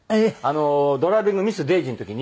『ドライビング・ミス・デイジー』の時に。